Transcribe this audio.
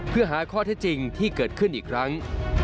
เพื่อหาข้อเท็จจริงที่เกิดขึ้นอีกครั้ง